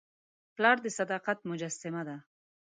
پلار د صداقت مجسمه ده.